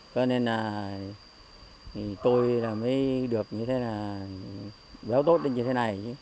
cho nên là tôi mới được như thế là béo tốt lên như thế này